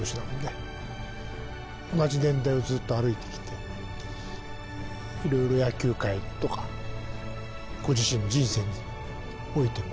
同じ年代をずっと歩いてきていろいろ野球界とかご自身の人生においても。